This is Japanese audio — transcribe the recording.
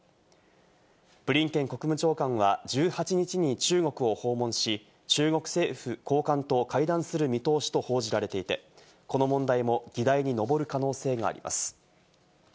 ブリンケン国務長官は１８日に中国を訪問し、中国政府高官と会談する見通しと報じられていて、この問題も議題に上る可能性があります。